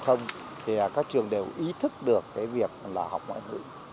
không thì các trường đều ý thức được cái việc là học ngoại ngữ